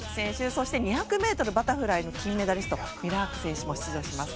そして２００ｍバタフライの金メダリストミラーク選手も出場します。